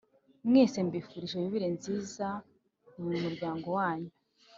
mwese mbifurije yubile nziza mumuryango wanyu